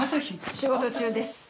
仕事中です！